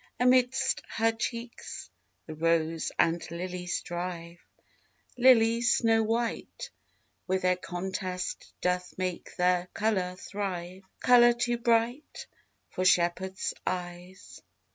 Amidst her cheeks the rose and lily strive, Lily snow white: When their contést doth make their colour thrive, Colour too bright For shepherds' eyes.